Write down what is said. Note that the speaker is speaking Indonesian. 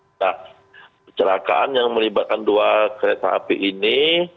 nah kecelakaan yang melibatkan dua kereta api ini